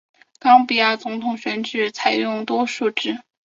冈比亚总统选举采用多数制。